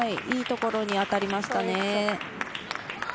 いいところに当たりました。